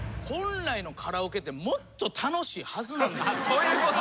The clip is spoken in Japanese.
そういうこと？